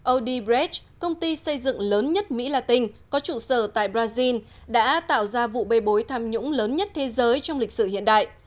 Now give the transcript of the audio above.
audy bret công ty xây dựng lớn nhất mỹ latin có trụ sở tại brazil đã tạo ra vụ bê bối tham nhũng lớn nhất thế giới trong lịch sử hiện đại